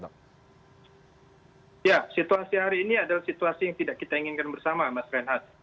ya situasi hari ini adalah situasi yang tidak kita inginkan bersama mas renhat